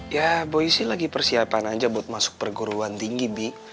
ya boy sih lagi persiapannya aja buat masuk perguruan tinggi bi